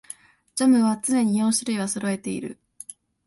ジャムは常に四種類はそろえている